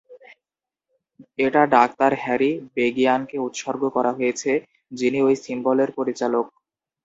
এটা doctor Harry বেগিয়ানকে উৎসর্গ করা হয়েছে, যিনি ঐ সিম্বলের পরিচালক।